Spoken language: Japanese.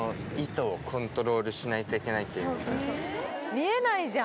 見えないじゃん。